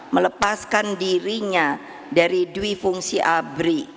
melepaskan dirinya dari dwi fungsi abri